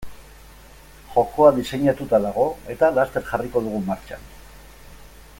Jokoa diseinatuta dago eta laster jarriko dugu martxan.